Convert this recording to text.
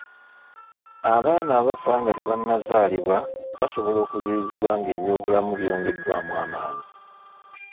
Abaana abafa nga tebannazaalibwa basobola okuziyizibwa ng'ebyobulamu byongeddwamu amaanyi